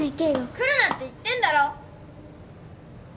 来るなって言ってんだろ！